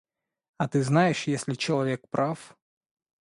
А ты знаешь, если человек прав…